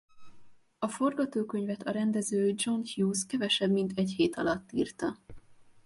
A forgatókönyvet a rendező John Hughes kevesebb mint egy hét alatt írta.